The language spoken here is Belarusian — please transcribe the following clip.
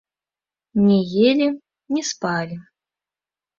Не елі, не спалі.